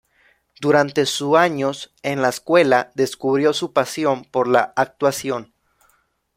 Durante su años en la escuela descubrió su pasión por la actuación.